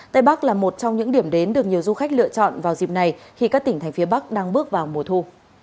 tây bắc là một trong những điểm đến được nhiều du khách lựa chọn vào dịp này khi các tỉnh thành phía bắc đang bước vào mùa thu